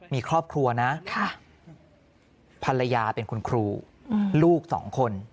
มีครอบครัวนะภรรยาเป็นคุณครูลูกสองคน